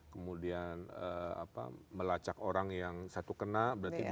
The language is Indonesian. kemudian melacak orang yang satu kena berarti dua puluh